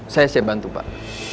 saya siap bantu pak